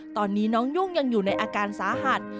ตอนนี้น้องยุ่งยังอยู่ในอาการสาหัส